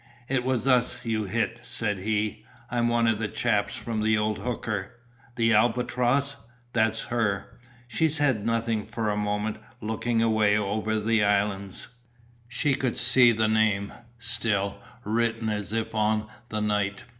"It was us you hit," said he, "I'm one of the chaps from the old hooker." "The Albatross?" "That's her." She said nothing for a moment, looking away over at the islands. She could see the name, still, written as if on the night.